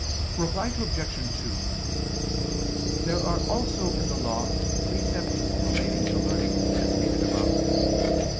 Reply Obj. 2: There are also in the Law precepts relating to learning, as stated above.